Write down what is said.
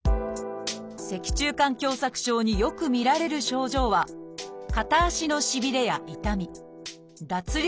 脊柱管狭窄症によく見られる症状は片足の「しびれ」や「痛み」「脱力感」です